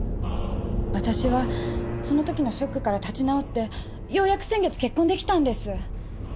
私はその時のショックから立ち直ってようやく先月結婚出来たんです。